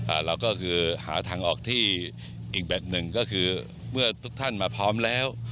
เราก็คือหาทางออกที่อีกแบบหนึ่งก็คือเมื่อทุกท่านมาพร้อมแล้ว